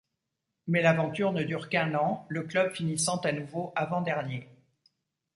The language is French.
Mais l'aventure ne dure qu'un an, le club finissant à nouveau avant-dernier.